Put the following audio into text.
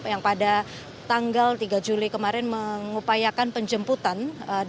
yang pada tanggal tiga juli kemarin mengupayakan penjemputan